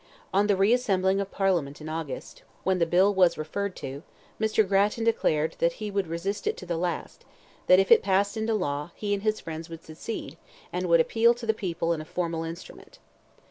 On the re assembling of Parliament in August, when the bill was referred to, Mr. Grattan declared that he would resist it to the last; that if passed into law, he and his friends would secede, and would appeal to the people in "a formal instrument."